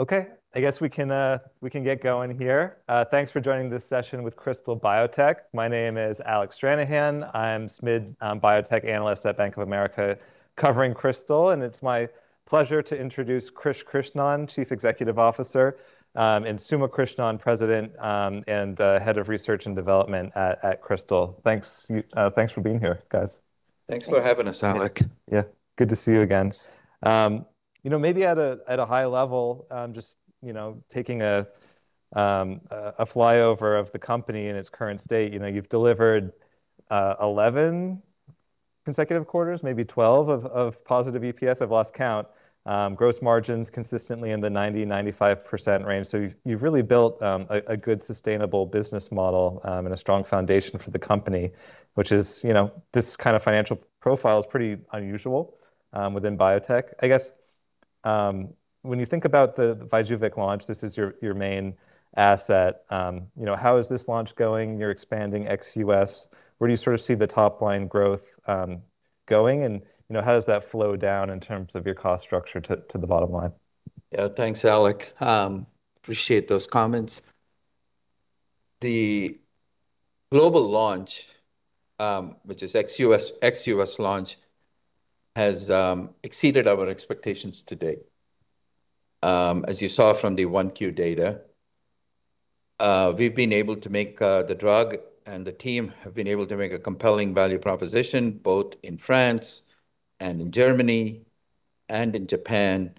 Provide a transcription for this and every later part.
Okay. I guess we can get going here. Thanks for joining this session with Krystal Biotech. My name is Alec Stranahan. I'm SMID biotech analyst at Bank of America covering Krystal, and it's my pleasure to introduce Krish Krishnan, Chief Executive Officer, and Suma Krishnan, President, and the Head of Research and Development at Krystal. Thanks for being here, guys. Thanks for having us, Alec. Yeah. Good to see you again. You know, maybe at a high level, just, you know, taking a flyover of the company in its current state, you know, you've delivered 11 consecutive quarters, maybe 12 of positive EPS, I've lost count. Gross margins consistently in the 90, 95% range. You've really built a good sustainable business model and a strong foundation for the company, which is, you know, this kind of financial profile is pretty unusual within biotech. I guess, when you think about the VYJUVEK launch, this is your main asset. You know, how is this launch going? You're expanding ex-US. Where do you sort of see the top line growth going? You know, how does that flow down in terms of your cost structure to the bottom line? Yeah, thanks, Alec. Appreciate those comments. The global launch, which is ex-U.S., ex-U.S. launch, has exceeded our expectations to date. As you saw from the 1Q data, we've been able to make the drug and the team have been able to make a compelling value proposition, both in France and in Germany and in Japan,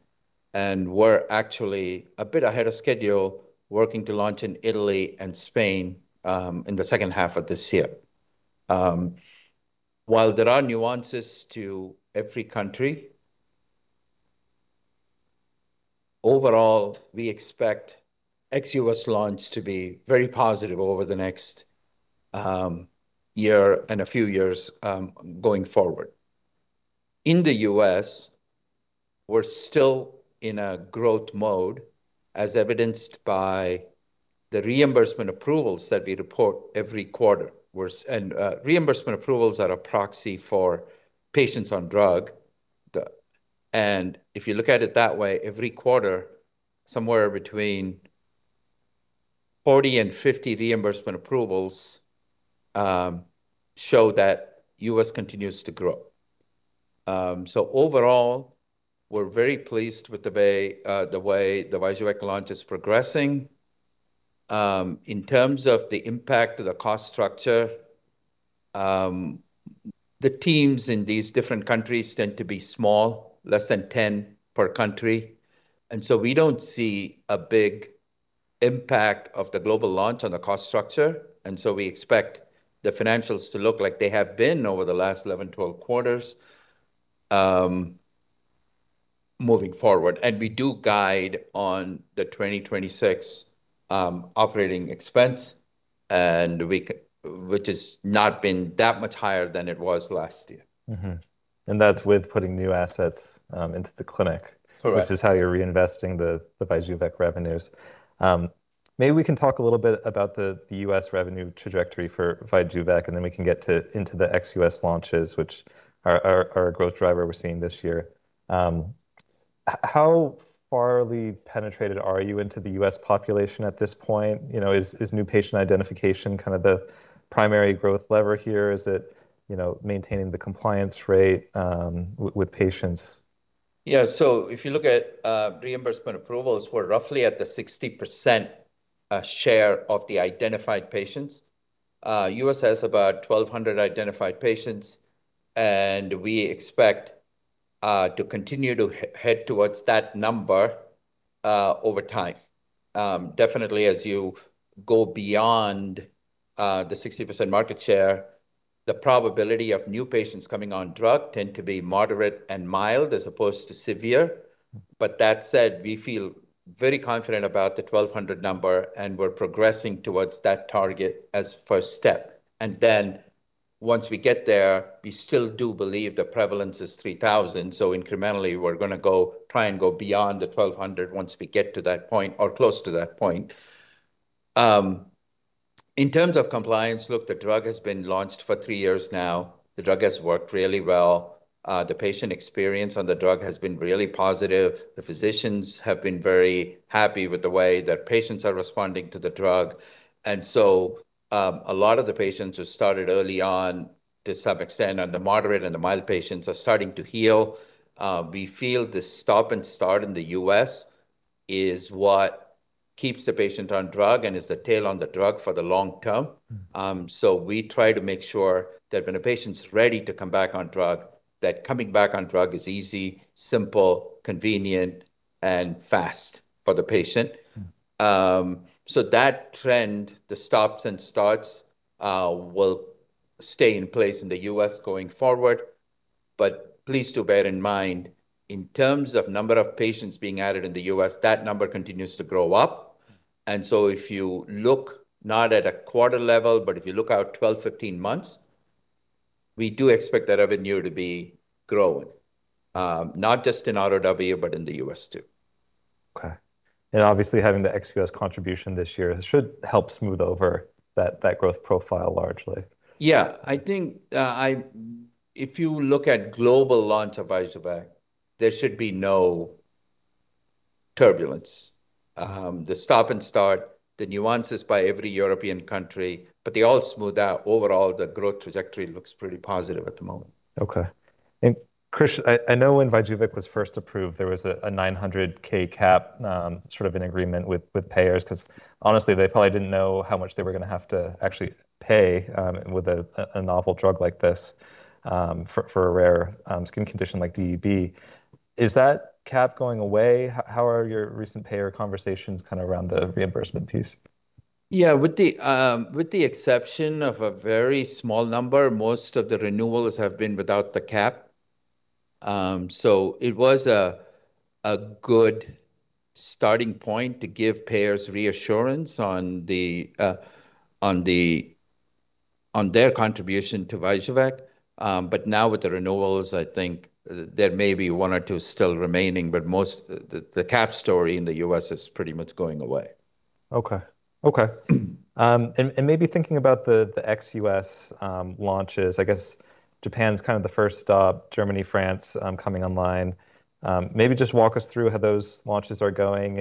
and we're actually a bit ahead of schedule working to launch in Italy and Spain in the second half of this year. While there are nuances to every country, overall, we expect ex-U.S. launch to be very positive over the next year and a few years going forward. In the U.S., we're still in a growth mode, as evidenced by the reimbursement approvals that we report every quarter. Reimbursement approvals are a proxy for patients on drug. If you look at it that way, every quarter, somewhere between 40 and 50 reimbursement approvals, show that U.S. continues to grow. Overall, we're very pleased with the way the VYJUVEK launch is progressing. In terms of the impact to the cost structure, the teams in these different countries tend to be small, less than 10 per country. We don't see a big impact of the global launch on the cost structure. We expect the financials to look like they have been over the last 11, 12 quarters, moving forward. We do guide on the 2026 operating expense, which has not been that much higher than it was last year. That's with putting new assets into the clinic. Correct which is how you're reinvesting the VYJUVEK revenues. Maybe we can talk a little bit about the U.S. revenue trajectory for VYJUVEK, and then we can get into the ex-U.S. launches, which are a growth driver we're seeing this year. How far penetrated are you into the U.S. population at this point? You know, is new patient identification kind of the primary growth lever here? Is it, you know, maintaining the compliance rate with patients? Yeah. If you look at reimbursement approvals, we're roughly at the 60% share of the identified patients. U.S. has about 1,200 identified patients, and we expect to continue to head towards that number over time. Definitely as you go beyond the 60% market share, the probability of new patients coming on drug tend to be moderate and mild as opposed to severe. That said, we feel very confident about the 1,200 number, and we're progressing towards that target as first step. Once we get there, we still do believe the prevalence is 3,000, incrementally, we're gonna go try and go beyond the 1,200 once we get to that point or close to that point. In terms of compliance, look, the drug has been launched for three years now. The drug has worked really well. The patient experience on the drug has been really positive. The physicians have been very happy with the way that patients are responding to the drug. A lot of the patients who started early on, to some extent, and the moderate and the mild patients are starting to heal. We feel the stop and start in the U.S. is what keeps the patient on drug and is the tail on the drug for the long term. We try to make sure that when a patient's ready to come back on drug, that coming back on drug is easy, simple, convenient, and fast for the patient. That trend, the stops and starts, will stay in place in the U.S. going forward. Please do bear in mind, in terms of number of patients being added in the U.S., that number continues to grow up. If you look not at a quarter level, but if you look out 12, 15 months, we do expect that revenue to be growing, not just in ROW, but in the U.S. too. Okay. Obviously having the ex-U.S. contribution this year should help smooth over that growth profile largely. Yeah. I think, if you look at global launch of VYJUVEK, there should be no turbulence. The stop and start, the nuances by every European country, they all smooth out. Overall, the growth trajectory looks pretty positive at the moment. Okay. Krish, I know when VYJUVEK was first approved, there was a $900K cap, sort of an agreement with payers, 'cause honestly, they probably didn't know how much they were going to have to actually pay with a novel drug like this for a rare skin condition like DEB. Is that cap going away? How are your recent payer conversations kind of around the reimbursement piece? Yeah. With the exception of a very small number, most of the renewals have been without the cap. It was a good starting point to give payers reassurance on the on their contribution to VYJUVEK. Now with the renewals, I think there may be one or two still remaining, but most The cap story in the U.S. is pretty much going away. Okay. Okay. Maybe thinking about the ex-U.S. launches, I guess Japan's kind of the first stop, Germany, France, coming online. Maybe just walk us through how those launches are going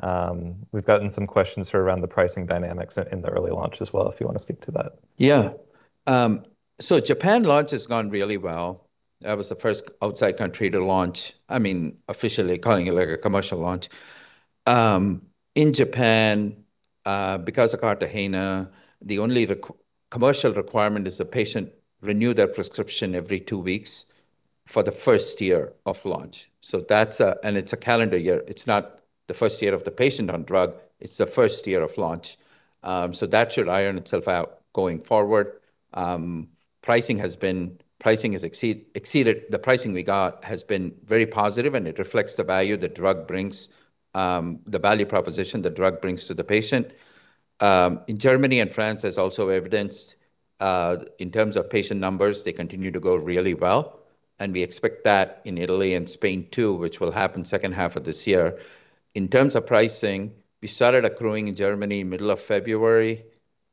and we've gotten some questions sort around the pricing dynamics in the early launch as well, if you wanna speak to that. Yeah. Japan launch has gone really well. That was the first outside country to launch, I mean, officially calling it like a commercial launch. In Japan, because of Cartagena, the only commercial requirement is the patient renew their prescription every two weeks for the first year of launch. It's a calendar year, it's not the first year of the patient on drug, it's the first year of launch. That should iron itself out going forward. Pricing has exceeded the pricing we got has been very positive, and it reflects the value the drug brings, the value proposition the drug brings to the patient. In Germany and France has also evidenced, in terms of patient numbers, they continue to go really well, and we expect that in Italy and Spain too, which will happen second half of this year. In terms of pricing, we started accruing in Germany middle of February,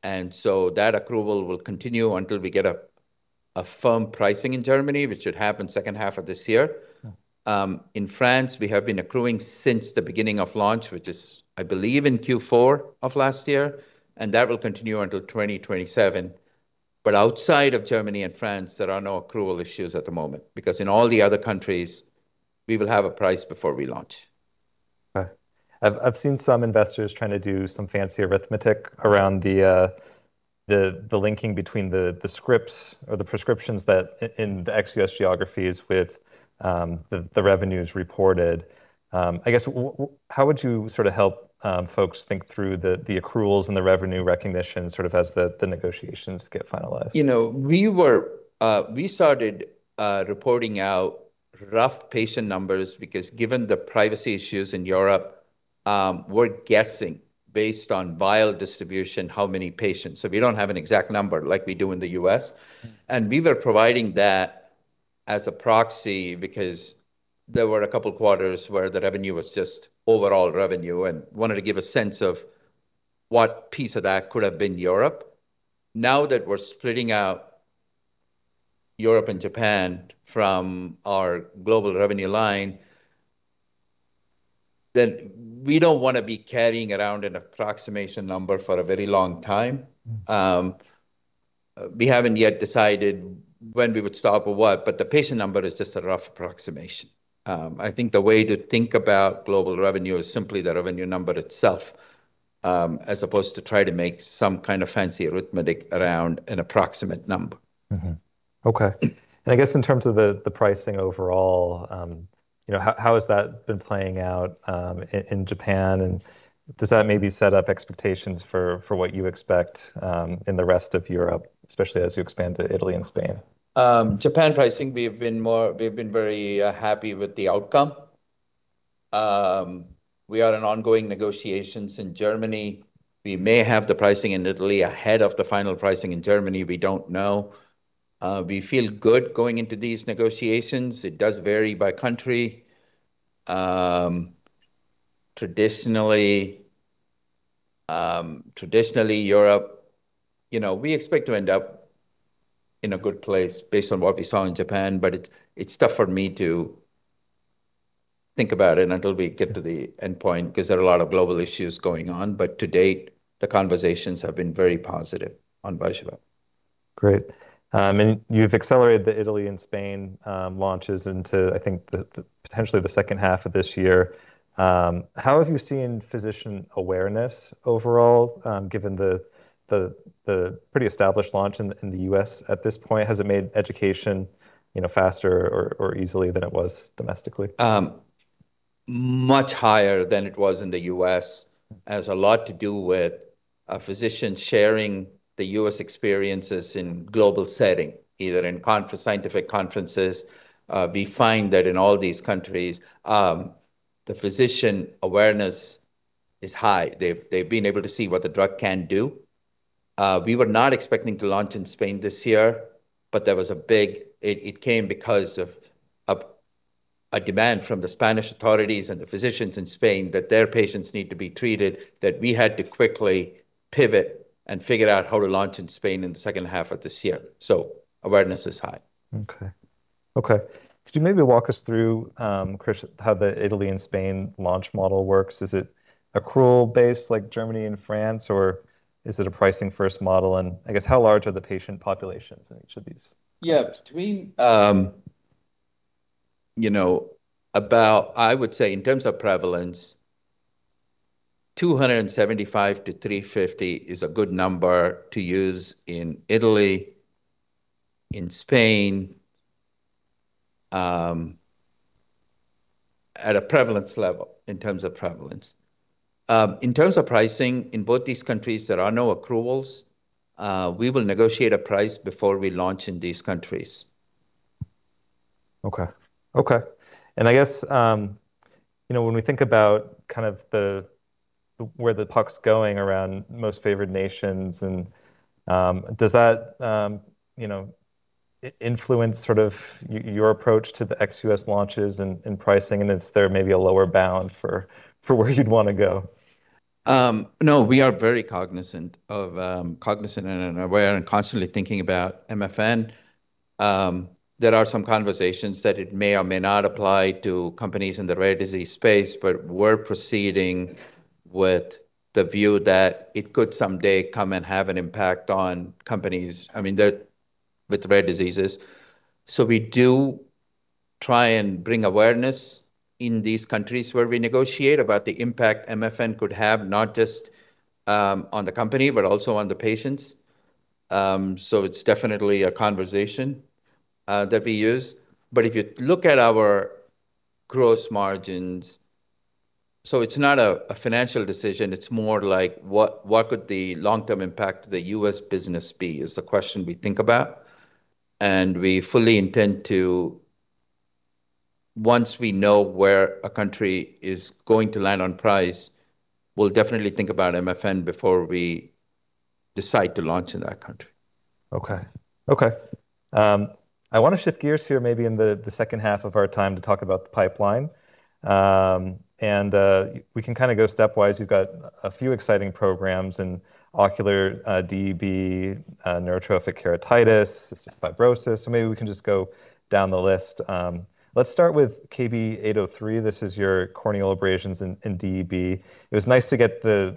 and so that accrual will continue until we get a firm pricing in Germany, which should happen second half of this year. Yeah. In France, we have been accruing since the beginning of launch, which is, I believe, in Q4 of last year, and that will continue until 2027. Outside of Germany and France, there are no accrual issues at the moment, because in all the other countries, we will have a price before we launch. Okay. I've seen some investors trying to do some fancy arithmetic around the linking between the scripts or the prescriptions that in the ex-U.S. geographies with the revenues reported. I guess how would you sort of help folks think through the accruals and the revenue recognition sort of as the negotiations get finalized? You know, we started reporting out rough patient numbers because given the privacy issues in Europe, we're guessing based on vial distribution how many patients. We don't have an exact number like we do in the U.S. We were providing that as a proxy because there were 2 quarters where the revenue was just overall revenue, and wanted to give a sense of what piece of that could have been Europe. Now that we're splitting out Europe and Japan from our global revenue line, we don't wanna be carrying around an approximation number for a very long time. We haven't yet decided when we would stop or what, but the patient number is just a rough approximation. I think the way to think about global revenue is simply the revenue number itself, as opposed to try to make some kind of fancy arithmetic around an approximate number. Okay. I guess in terms of the pricing overall, you know, how has that been playing out in Japan? Does that maybe set up expectations for what you expect in the rest of Europe, especially as you expand to Italy and Spain? Japan pricing, we've been very happy with the outcome. We are in ongoing negotiations in Germany. We may have the pricing in Italy ahead of the final pricing in Germany. We don't know. We feel good going into these negotiations. It does vary by country. Traditionally, traditionally Europe, you know, we expect to end up in a good place based on what we saw in Japan, but it's tough for me to think about it until we get to the endpoint cause there are a lot of global issues going on. To date, the conversations have been very positive on VYJUVEK. Great. You've accelerated the Italy and Spain launches into, I think, the potentially the second half of this year. How have you seen physician awareness overall, given the pretty established launch in the U.S. at this point? Has it made education, you know, faster or easily than it was domestically? much higher than it was in the U.S. Has a lot to do with physicians sharing the U.S. experiences in global setting, either in scientific conferences. We find that in all these countries, the physician awareness is high. They've been able to see what the drug can do. We were not expecting to launch in Spain this year, there was a big demand from the Spanish authorities and the physicians in Spain that their patients need to be treated, that we had to quickly pivot and figure out how to launch in Spain in the second half of this year. Awareness is high. Okay. Okay. Could you maybe walk us through, Krish, how the Italy and Spain launch model works? Is it accrual-based like Germany and France, or is it a pricing-first model? I guess how large are the patient populations in each of these? Yeah. Between, you know, about I would say in terms of prevalence, 275-350 is a good number to use in Italy, in Spain, at a prevalence level in terms of prevalence. In terms of pricing, in both these countries there are no accruals. We will negotiate a price before we launch in these countries. Okay. Okay. I guess, you know, when we think about kind of the, where the puck's going around Most Favored Nation and, does that, you know, influence sort of your approach to the ex-US launches and pricing, and is there maybe a lower bound for where you'd want to go? No, we are very cognizant of cognizant and aware and constantly thinking about MFN. There are some conversations that it may or may not apply to companies in the rare disease space, but we're proceeding with the view that it could someday come and have an impact on companies with rare diseases. We do try and bring awareness in these countries where we negotiate about the impact MFN could have, not just on the company, but also on the patients. It's definitely a conversation that we use. If you look at our gross margins, it's not a financial decision, it's more like what could the long-term impact to the U.S. business be is the question we think about. We fully intend to, once we know where a country is going to land on price, we'll definitely think about MFN before we decide to launch in that country. Okay. Okay. I want to shift gears here maybe in the second half of our time to talk about the pipeline. We can kind of go stepwise. You've got a few exciting programs in ocular, DEB, neurotrophic keratitis, cystic fibrosis. Maybe we can just go down the list. Let's start with KB803. This is your corneal abrasions in DEB. It was nice to get the,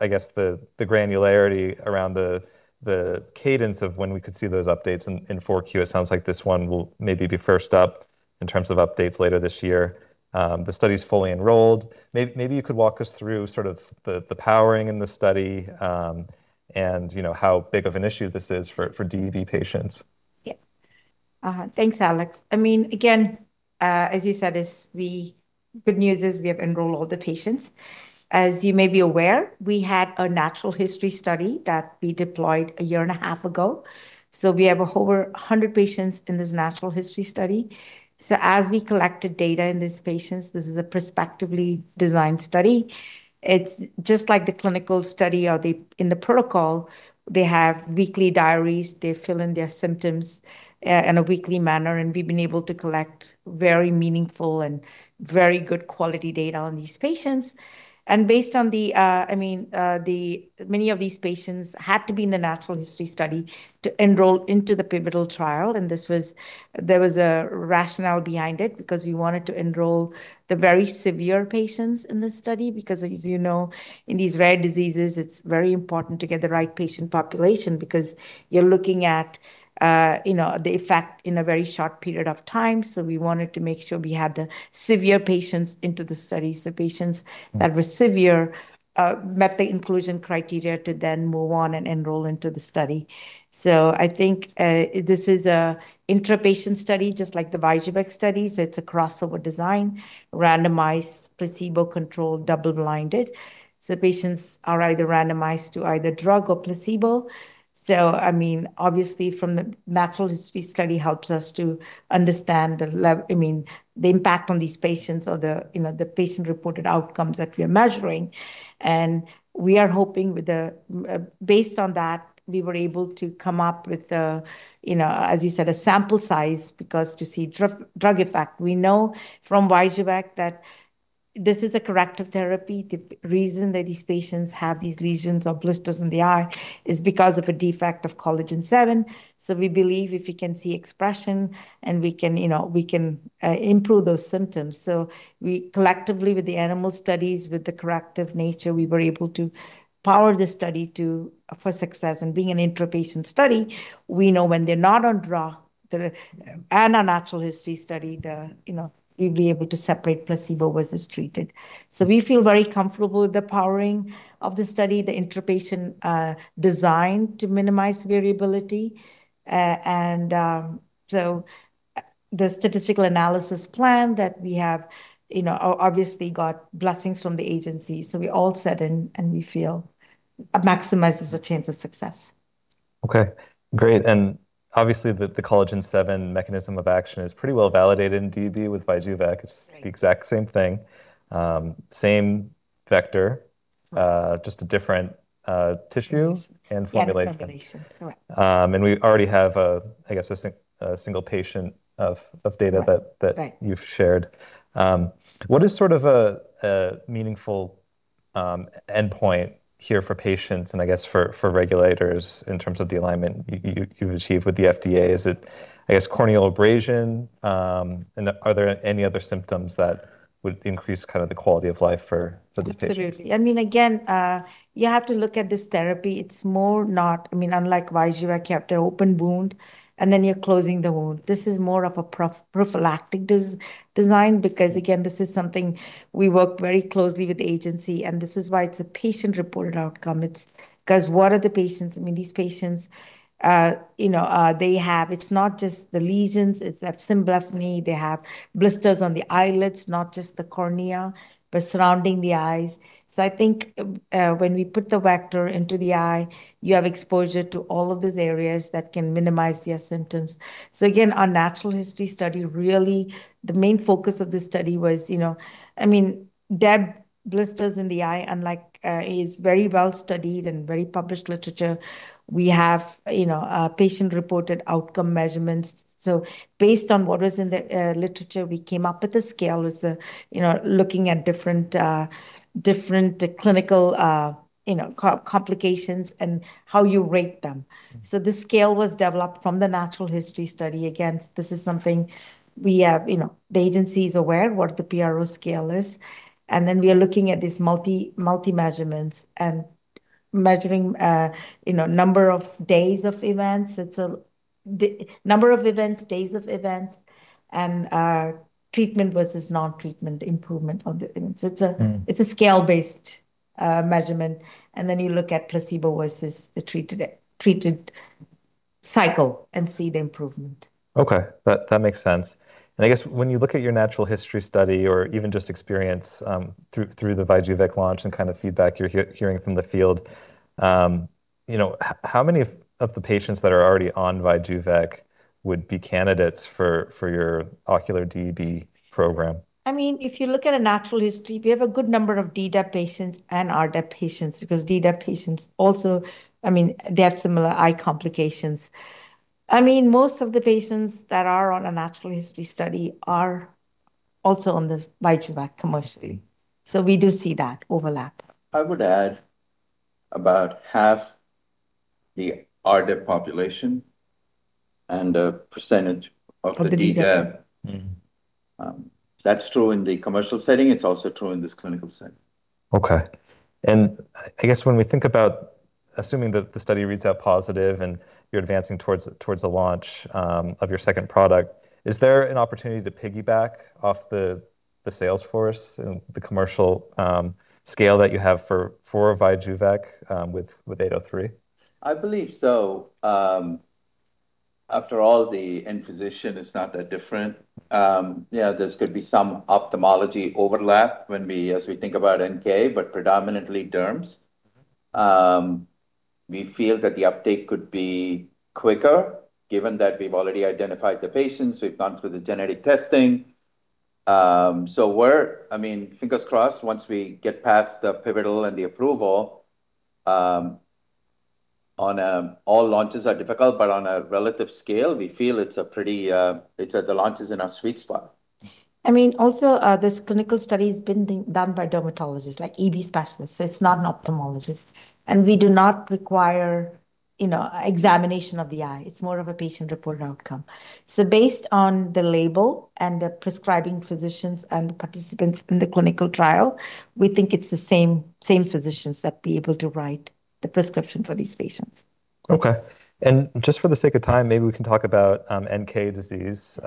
I guess the granularity around the cadence of when we could see those updates in 4Q. It sounds like this one will maybe be first up in terms of updates later this year. The study's fully enrolled. Maybe you could walk us through sort of the powering in the study, and, you know, how big of an issue this is for DEB patients. Thanks, Alex. I mean, again, as you said, good news is we have enrolled all the patients. As you may be aware, we had a natural history study that we deployed 1.5 years ago. We have over 100 patients in this natural history study. As we collected data in these patients, this is a prospectively designed study. It's just like the clinical study or the, in the protocol, they have weekly diaries. They fill in their symptoms in a weekly manner, we've been able to collect very meaningful and very good quality data on these patients. Based on the, I mean, many of these patients had to be in the natural history study to enroll into the pivotal trial, and this was, there was a rationale behind it because we wanted to enroll the very severe patients in this study. As you know, in these rare diseases it's very important to get the right patient population because you're looking at, you know, the effect in a very short period of time. We wanted to make sure we had the severe patients into the study. that were severe, met the inclusion criteria to then move on and enroll into the study. I think, this is a intra-patient study, just like the VYJUVEK studies. It's a crossover design, randomized, placebo-controlled, double-blinded. Patients are either randomized to either drug or placebo. I mean, obviously from the natural history study helps us to understand the impact on these patients or the, you know, the patient-reported outcomes that we are measuring. We are hoping with the, based on that, we were able to come up with a, you know, as you said, a sample size because to see drug effect. We know from VYJUVEK that this is a corrective therapy. The reason that these patients have these lesions or blisters in the eye is because of a defect of collagen VII. We believe if we can see expression, and we can, you know, we can improve those symptoms. We collectively with the animal studies, with the corrective nature, we were able to power the study to, for success. Being an intra-patient study, we know when they're not on drug, and a natural history study, you know, we'd be able to separate placebo versus treated. We feel very comfortable with the powering of the study, the intra-patient design to minimize variability. The statistical analysis plan that we have, you know, obviously got blessings from the agency. We're all set and we feel maximizes the chance of success. Okay. Great. Obviously the collagen VII mechanism of action is pretty well validated in DEB with VYJUVEK. Right. It's the exact same thing. Same vector, just a different, tissues. Tissues and formulating them. Yeah, formulation. All right. We already have I guess a single patient of data. Right that you've shared. What is sort of a meaningful endpoint here for patients and I guess for regulators in terms of the alignment you achieve with the FDA? Is it, I guess, corneal abrasion? Are there any other symptoms that would increase kind of the quality of life for the patients? Absolutely. I mean, again, you have to look at this therapy. It's more not unlike VYJUVEK, I kept an open wound, and then you're closing the wound. This is more of a prophylactic design because, again, this is something we work very closely with the agency, and this is why it's a patient-reported outcome. What are the patients, these patients, they have-- It's not just the lesions. It's symblepharon. They have blisters on the eyelids, not just the cornea, but surrounding the eyes. I think, when we put the vector into the eye, you have exposure to all of these areas that can minimize their symptoms. Again, our natural history study really, the main focus of this study was, you know I mean, DEB blisters in the eye, unlike, is very well-studied and very published literature. We have, you know, patient-reported outcome measurements. Based on what was in the literature, we came up with a scale. It's, you know, looking at different clinical, you know, complications and how you rate them. The scale was developed from the natural history study. Again, this is something we have. You know, the agency is aware what the PRO scale is, and then we are looking at these multi measurements and measuring, you know, number of days of events. number of events, days of events, and treatment versus non-treatment improvement of the events. it's a scale-based measurement, and then you look at placebo versus the treated cycle and see the improvement. Okay. That makes sense. I guess when you look at your natural history study or even just experience, through the VYJUVEK launch and kind of feedback you're hearing from the field, you know, how many of the patients that are already on VYJUVEK would be candidates for your ocular DEB program? I mean, if you look at a natural history, we have a good number of DDEB patients and RDEB patients because DDEB patients also, I mean, they have similar eye complications. I mean, most of the patients that are on a natural history study are also on the VYJUVEK commercially. We do see that overlap. I would add about half the rDEB population and a percentage of the dDEB. Of the DDEB. That's true in the commercial setting. It's also true in this clinical setting. Okay. I guess when we think about assuming that the study reads out positive and you're advancing towards the launch of your second product, is there an opportunity to piggyback off the sales force and the commercial scale that you have for VYJUVEK with 803? I believe so. After all, the end physician is not that different. There's gonna be some ophthalmology overlap as we think about NK, but predominantly derms. We feel that the uptake could be quicker given that we've already identified the patients. We've gone through the genetic testing. I mean, fingers crossed, once we get past the pivotal and the approval, all launches are difficult. On a relative scale, we feel it's a pretty, it's, the launch is in our sweet spot. I mean, also, this clinical study has been being done by dermatologists, like EB specialists. It's not an ophthalmologist, and we do not require, you know, examination of the eye. It's more of a patient-reported outcome. Based on the label and the prescribing physicians and participants in the clinical trial, we think it's the same physicians that be able to write the prescription for these patients. Okay. Just for the sake of time, maybe we can talk about NK disease.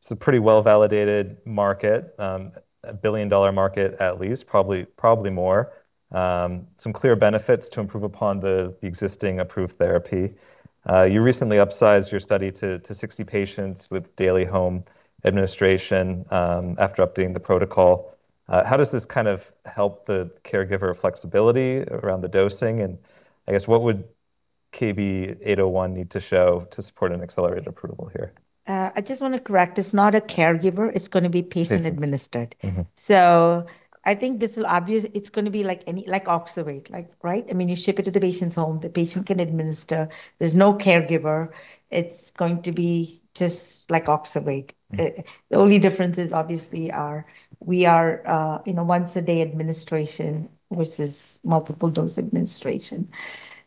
It's a pretty well-validated market, a billion-dollar market at least, probably more. Some clear benefits to improve upon the existing approved therapy. You recently upsized your study to 60 patients with daily home administration after updating the protocol. How does this kind of help the caregiver flexibility around the dosing? I guess what would KB801 need to show to support an accelerated approval here? I just wanna correct. It's not a caregiver. It's gonna be patient. Patient administered. I think It's gonna be like any, like Oxervate, like, right? I mean, you ship it to the patient's home. The patient can administer. There's no caregiver. It's going to be just like Oxervate. The only difference is obviously we are, you know, once a day administration versus multiple dose administration.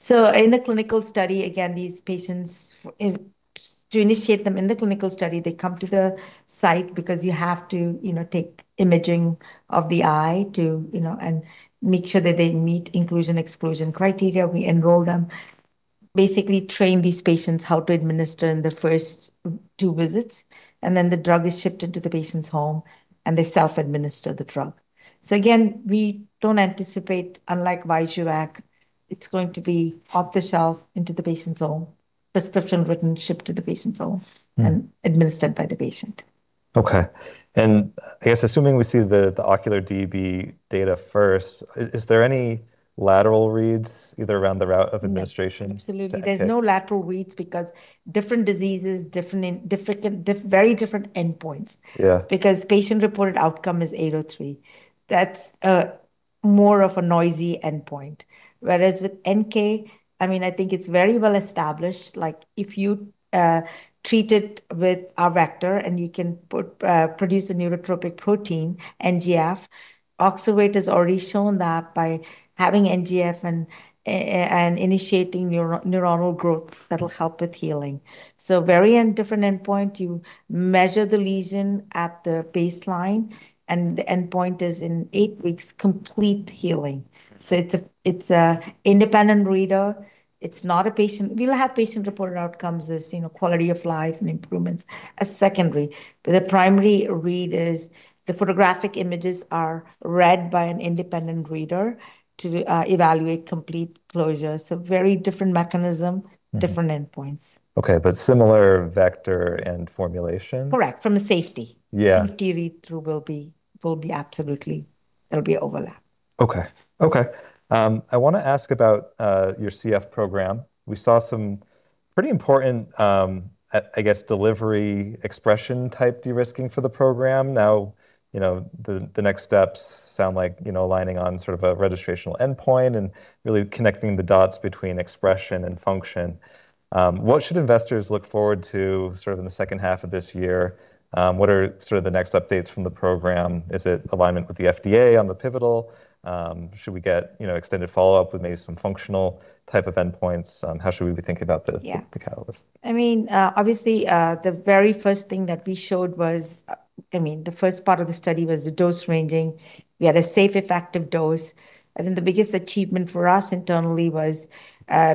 In a clinical study, again, these patients, to initiate them in the clinical study, they come to the site because you have to, you know, take imaging of the eye to, you know, and make sure that they meet inclusion/exclusion criteria. We enroll them, basically train these patients how to administer in the first two visits, and then the drug is shipped into the patient's home, and they self-administer the drug. Again, we don't anticipate, unlike VYJUVEK, it's going to be off the shelf into the patient's home, prescription written, shipped to the patient's home. Administered by the patient. Okay. I guess assuming we see the ocular DEB data first, is there any lateral reads either around the route of administration? No. Absolutely. Okay. There's no lateral reads because different diseases, different very different endpoints. Yeah. Patient-reported outcome is 803. That's more of a noisy endpoint. Whereas with NK, I mean, I think it's very well established, like if you treat it with a vector and you can produce a neurotrophic protein, NGF, Oxervate has already shown that by having NGF and initiating neuronal growth, that'll help with healing. Very different endpoint. You measure the lesion at the baseline, and the endpoint is in eight weeks complete healing. It's an independent reader. It's not a patient. We'll have patient-reported outcomes as, you know, quality of life and improvements as secondary. The primary read is the photographic images are read by an independent reader to evaluate complete closure. Very different mechanism. Different endpoints. Okay, similar vector and formulation? Correct. From a safety. Yeah. Safety read-through will be absolutely, it'll be overlap. Okay. Okay. I want to ask about your CF program. We saw some pretty important, I guess, delivery expression type de-risking for the program. The next steps sound like, you know, aligning on sort of a registrational endpoint and really connecting the dots between expression and function. What should investors look forward to sort of in the second half of this year? What are sort of the next updates from the program? Is it alignment with the FDA on the pivotal? Should we get, you know, extended follow-up with maybe some functional type of endpoints? How should we be thinking about? Yeah the catalyst? I mean, obviously, the very first thing that we showed was, I mean, the first part of the study was the dose ranging. We had a safe, effective dose. I think the biggest achievement for us internally was,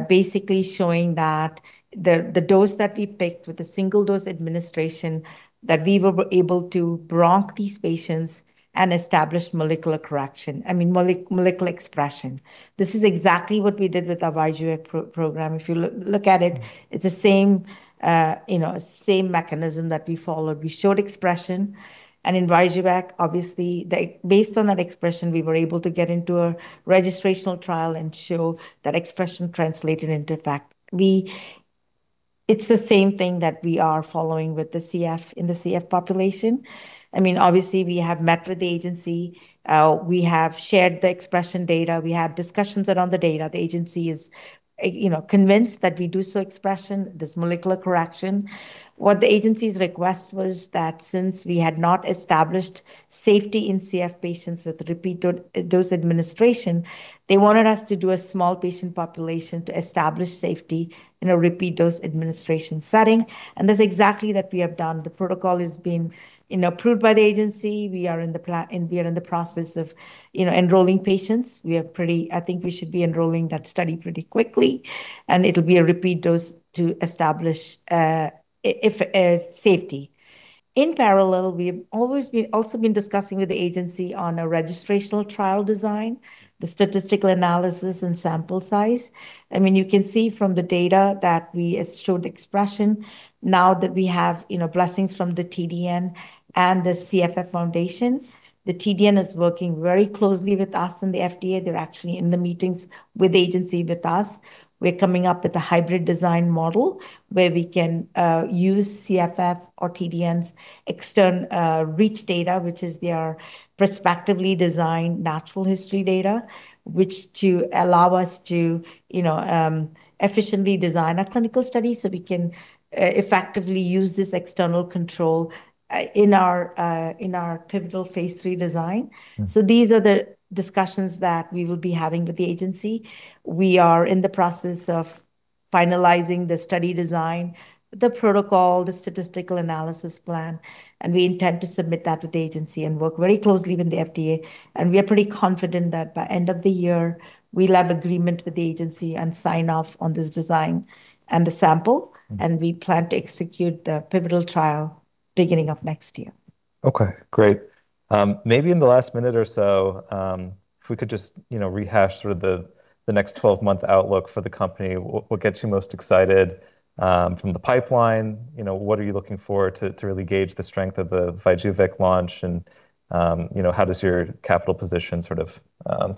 basically showing that the dose that we picked with the single-dose administration, that we were able to bronc these patients and establish molecular correction, I mean, molecular expression. This is exactly what we did with our VYJUVEK program. If you look at it's the same, you know, same mechanism that we followed. We showed expression, and in VYJUVEK, obviously, based on that expression, we were able to get into a registrational trial and show that expression translated into effect. It's the same thing that we are following with the CF in the CF population. I mean, obviously, we have met with the agency. We have shared the expression data. We have discussions around the data. The agency is, you know, convinced that we do show expression, this molecular correction. What the agency's request was that since we had not established safety in CF patients with repeat dose administration, they wanted us to do a small patient population to establish safety in a repeat dose administration setting. That's exactly that we have done. The protocol has been, you know, approved by the agency. We are in the process of, you know, enrolling patients. I think we should be enrolling that study pretty quickly, and it'll be a repeat dose to establish safety. In parallel, we've always been, also been discussing with the agency on a registrational trial design, the statistical analysis and sample size. I mean, you can see from the data that we showed expression now that we have, you know, blessings from the TDN and the CFF Foundation. The TDN is working very closely with us and the FDA. They're actually in the meetings with the agency, with us. We're coming up with a hybrid design model where we can use CFF or TDN's reach data, which is their prospectively designed natural history data, which to allow us to, you know, efficiently design a clinical study so we can effectively use this external control in our pivotal phase III design. These are the discussions that we will be having with the agency. We are in the process of finalizing the study design, the protocol, the statistical analysis plan, and we intend to submit that to the agency and work very closely with the FDA. We are pretty confident that by end of the year, we'll have agreement with the agency and sign off on this design and the sample. We plan to execute the pivotal trial beginning of next year. Okay, great. Maybe in the last minute or so, if we could just, you know, rehash sort of the next 12-month outlook for the company. What gets you most excited from the pipeline? You know, what are you looking for to really gauge the strength of the VYJUVEK launch? How does your capital position sort of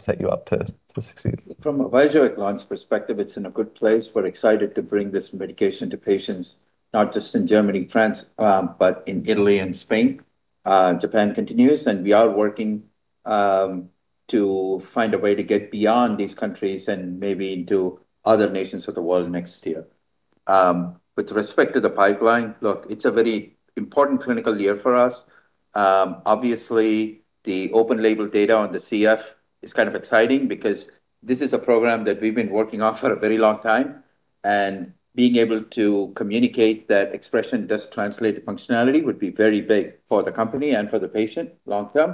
set you up to succeed? From a ViiV launch perspective, it's in a good place. We're excited to bring this medication to patients, not just in Germany, France, but in Italy and Spain. Japan continues. We are working to find a way to get beyond these countries and maybe into other nations of the world next year. With respect to the pipeline, look, it's a very important clinical year for us. Obviously, the open label data on the CF is kind of exciting because this is a program that we've been working on for a very long time, and being able to communicate that expression does translate to functionality would be very big for the company and for the patient long term.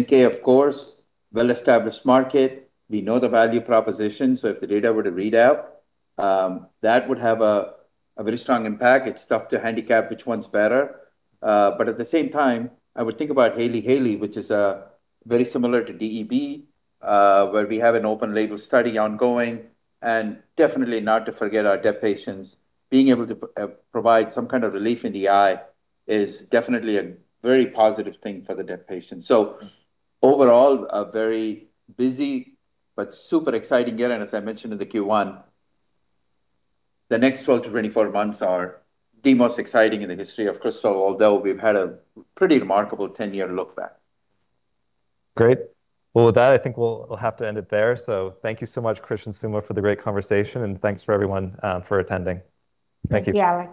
NK, of course, well-established market. We know the value proposition, if the data were to read out, that would have a very strong impact. It's tough to handicap which one's better. At the same time, I would think about Hailey-Hailey, which is very similar to DEB, where we have an open label study ongoing. Definitely not to forget our DEB patients. Being able to provide some kind of relief in the eye is definitely a very positive thing for the DEB patient. Overall, a very busy but super exciting year. As I mentioned in the Q1, the next 12 to 24 months are the most exciting in the history of Krystal, although we've had a pretty remarkable 10-year look back. Great. Well, with that, I think we'll have to end it there. Thank you so much, Krish and Suma, for the great conversation, and thanks for everyone for attending. Thank you. Yeah.